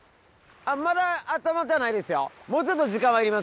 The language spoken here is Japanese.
まだ温まってはないですよ。